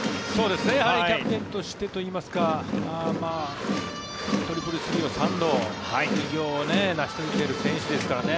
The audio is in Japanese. キャプテンとしてといいますかトリプルスリーを３度偉業を成し遂げている選手ですからね。